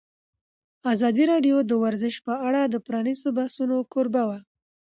ازادي راډیو د ورزش په اړه د پرانیستو بحثونو کوربه وه.